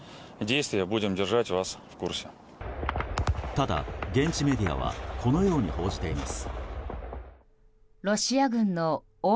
ただ、現地メディアはこのように報じています。